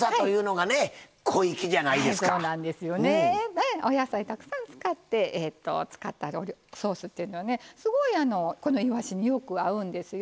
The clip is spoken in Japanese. はいそうなんですよね。お野菜たくさん使ったソースっていうのはねすごいこのいわしによく合うんですよ。